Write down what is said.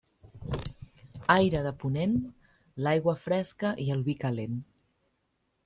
Aire de ponent, l'aigua fresca i el vi calent.